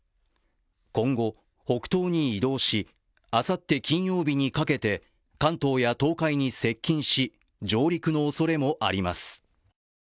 今後北東に移動し、あさって金曜日にかけて関東や東海に接近し、上陸のおそれもあります。